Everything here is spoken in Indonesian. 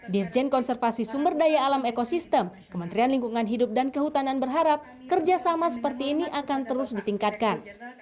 dirjen konservasi sumber daya alam ekosistem kementerian lingkungan hidup dan kehutanan berharap kerjasama seperti ini akan terus ditingkatkan